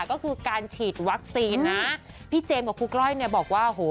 ก็คือการฉีดวัคซีนนะพี่เจมส์กับครูก้อยเนี่ยบอกว่าโห